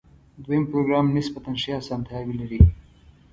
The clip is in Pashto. دویم پروګرام نسبتاً ښې آسانتیاوې لري.